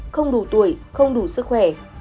không đủ tuổi không đủ sức khỏe